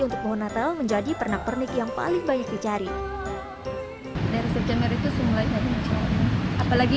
untuk pohon natal menjadi pernak pernik yang paling banyak dicari dari september itu semuanya apalagi